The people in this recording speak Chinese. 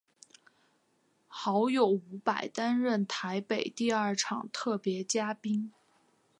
好友伍佰担任台北第二场特别嘉宾。